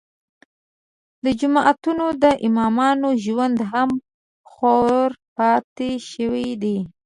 د جوماتونو د امامانو ژوند هم خوار پاتې شوی دی.